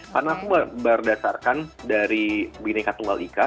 karena aku berdasarkan dari bineca tunggal ika